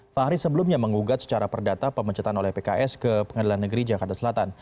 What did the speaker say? fahri sebelumnya mengugat secara perdata pemecatan oleh pks ke pengadilan negeri jakarta selatan